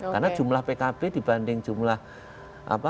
karena jumlah pkb dibanding jumlah perusahaan